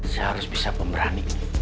saya harus bisa pemberani